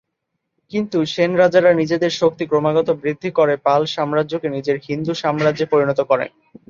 কিন্তু সেন রাজারা নিজেদের শক্তি ক্রমাগত বৃদ্ধি করে পাল সাম্রাজ্যকে নিজের হিন্দু সাম্রাজ্যে পরিণত করেন।